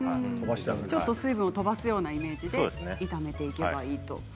ちょっと水分をとばすようなイメージで炒めていけばいいと。